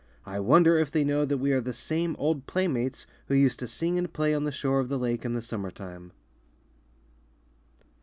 I wonder if they know that we are the same old playmates who used to sing and play on the shore of the lake in the summer time."